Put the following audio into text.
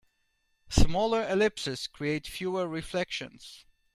Smaller ellipses create fewer reflections.